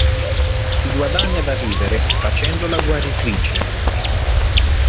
Si guadagna da vivere facendo la "guaritrice".